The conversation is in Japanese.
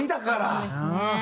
そうですね。